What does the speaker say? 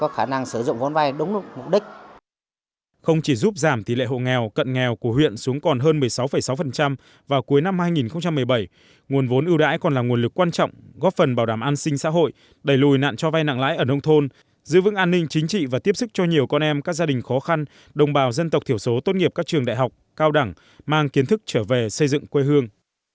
không chỉ giúp giảm tỷ lệ hộ nghèo cận nghèo của huyện xuống còn hơn một mươi sáu sáu vào cuối năm hai nghìn một mươi bảy nguồn vốn ưu đãi còn là nguồn lực quan trọng góp phần bảo đảm an sinh xã hội đẩy lùi nạn cho vay nặng lãi ở nông thôn giữ vững an ninh chính trị và tiếp sức cho nhiều con em các gia đình khó khăn đồng bào dân tộc thiểu số tốt nghiệp các trường đại học cao đẳng mang kiến thức trở về xây dựng quê hương